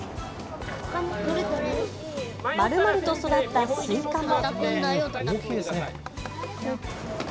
まるまると育ったスイカも。